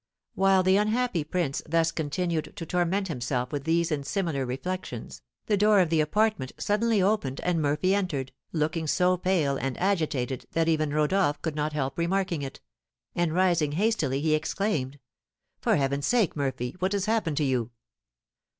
While the unhappy prince thus continued to torment himself with these and similar reflections, the door of the apartment suddenly opened and Murphy entered, looking so pale and agitated that even Rodolph could not help remarking it; and rising hastily, he exclaimed: "For heaven's sake, Murphy, what has happened to you?"